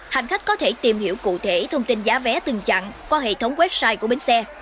hành khách có thể tìm hiểu cụ thể thông tin giá vé từng chặn qua hệ thống website của bến xe